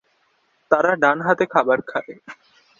তারা ডান হাতে খাবার খায়।